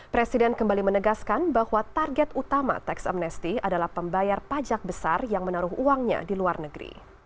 presiden kembali menegaskan bahwa target utama tax amnesty adalah pembayar pajak besar yang menaruh uangnya di luar negeri